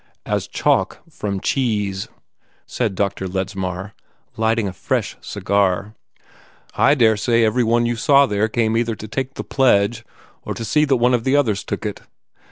"As chalk from cheese!" said Dr. Ledsmar, lighting a fresh cigar. "I daresay every one you saw there had come either to take the pledge, or see to it that one of the others took it.